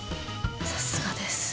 さすがです。